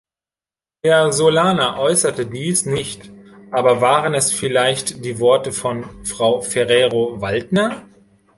Herr Solana äußerte dies nicht, aber waren es vielleicht die Worte von Frau Ferrero-Waldner?